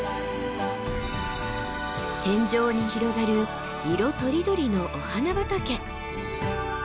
天上に広がる色とりどりのお花畑。